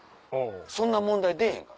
そんな問題出ぇへんから。